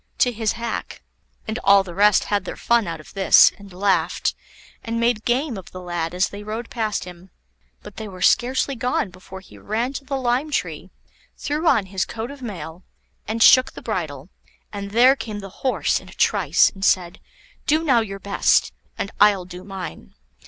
to his hack. And all the rest had their fun out of this, and laughed, and made game of the lad as they rode past him. But they were scarcely gone, before he ran to the lime tree, threw on his coat of mail, and shook the bridle, and there came the Horse in a trice, and said: "Do now your best, and I'll do mine."